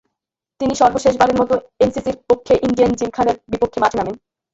তিনি সর্বশেষবারের মতো এমসিসির পক্ষে ইন্ডিয়ান জিমখানার বিপক্ষে মাঠে নামেন।